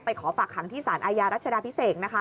ขอฝากขังที่สารอาญารัชดาพิเศษนะคะ